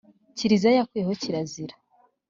Kiriziya yakuye kirazira.